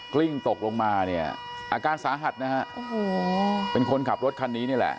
ลิ้งตกลงมาเนี่ยอาการสาหัสนะฮะโอ้โหเป็นคนขับรถคันนี้นี่แหละ